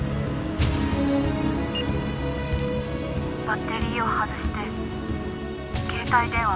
「バッテリーを外して携帯電話も捨てろ」